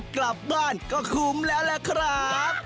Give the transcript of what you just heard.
เชิญกลับบ้านก็คุ้มแล้วแหละครับ